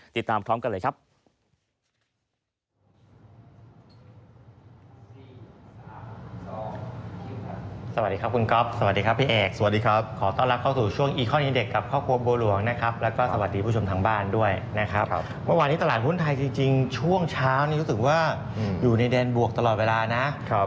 ติดตามพร้อมกันเลยครับ